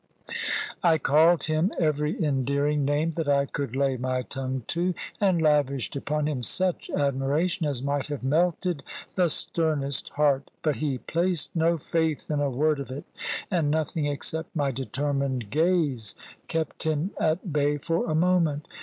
I called him every endearing name that I could lay my tongue to, and lavished upon him such admiration as might have melted the sternest heart; but he placed no faith in a word of it, and nothing except my determined gaze kept him at bay for a moment.